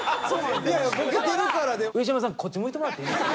上島さんこっち向いてもらっていいですか？